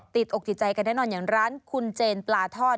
ติดอกติดใจกันแน่นอนอย่างร้านคุณเจนปลาทอด